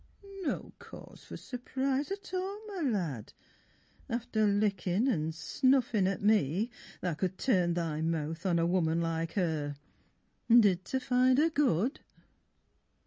No cause for surprise at all, my lad, After lickin' and snuffin' at me, tha could Turn thy mouth on a woman like her Did ter find her good?